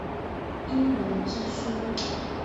殷融之孙。